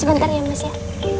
sebentar ya mas ya